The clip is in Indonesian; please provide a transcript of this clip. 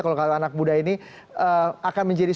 kalau anak muda ini akan menjadi